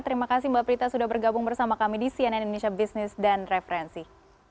terima kasih mbak prita sudah bergabung bersama kami di cnn indonesia business dan referensi